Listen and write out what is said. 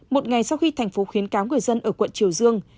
một ngày sau khi thành phố khuyến cáo người dân ở quận triều dương